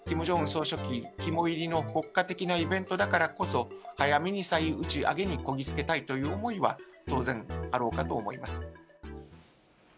総書記肝煎りの国家的なイベントだからこそ、早めに再打ち上げにこぎ着けたいという思いは当然、あろうかと思います。